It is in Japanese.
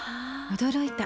驚いた。